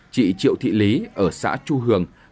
chị triệu thị lý ở xã chu hường